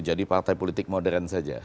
partai politik modern saja